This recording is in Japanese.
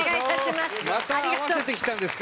また合わせてきたんですか？